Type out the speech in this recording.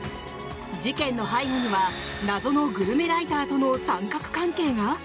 事件の背後には謎のグルメライターとの三角関係が。